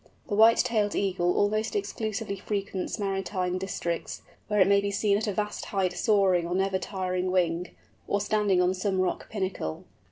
The White tailed Eagle almost exclusively frequents maritime districts, where it may be seen at a vast height soaring on never tiring wing, or standing on some rock pinnacle.